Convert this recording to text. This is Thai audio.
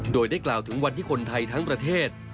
โดยได้กล่าวถึงวันที่คนไทยทั้งประเทศ